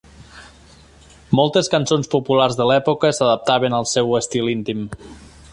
Moltes cançons populars de l'època s'adaptaven al seu estil íntim.